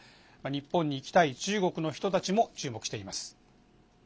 日本に行きたい中国の人たちも注目しています。